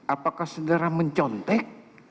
apakah saudara mencontek